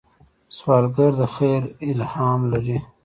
سوالګر د خیر الهام لري